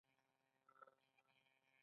هغوی په سپوږمیز محبت کې پر بل باندې ژمن شول.